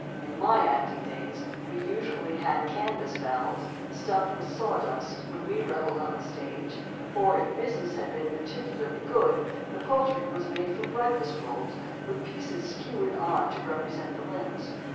In my acting days we usually had canvas fowls, stuffed with sawdust, when we revelled on the stage; or, if business had been particularly good, the poultry was made from breakfast rolls, with pieces skewered on, to represent the limbs.